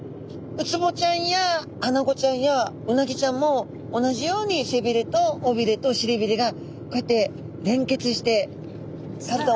ウツボちゃんやアナゴちゃんやウナギちゃんも同じように背びれと尾びれとしりびれがこうやって連結して背中を覆ってる感じですね。